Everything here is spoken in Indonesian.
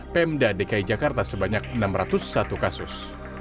pemda dki jakarta sebanyak enam ratus satu kasus